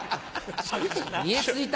見え透いた。